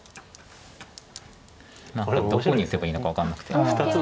どこに打てばいいのか分かんなくて。